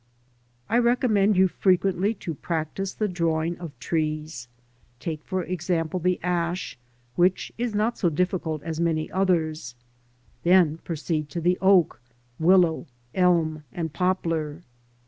I recommend you frequently to practise the drawing of trees. Take, for example, the ash, which is not so difficult as many others ; then proceed to the oak, willow, elm and poplar.